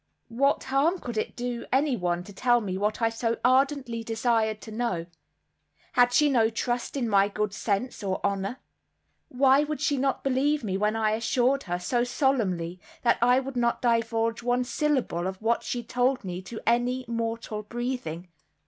What harm could it do anyone to tell me what I so ardently desired to know? Had she no trust in my good sense or honor? Why would she not believe me when I assured her, so solemnly, that I would not divulge one syllable of what she told me to any mortal breathing.